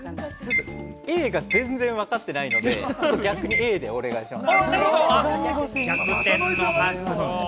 Ａが全然わかってないので、逆にＡでお願いします。